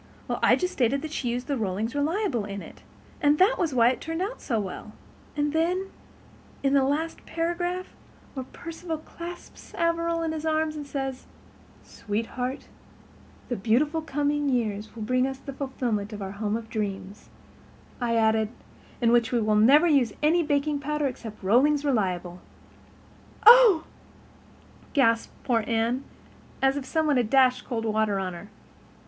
Well, I just stated that she used the Rollings Reliable in it, and that was why it turned out so well; and then, in the last paragraph, where Perceval clasps Averil in his arms and says, 'Sweetheart, the beautiful coming years will bring us the fulfilment of our home of dreams,' I added, 'in which we will never use any baking powder except Rollings Reliable.'" "Oh," gasped poor Anne, as if some one had dashed cold water on her.